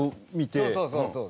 そうそうそうそう。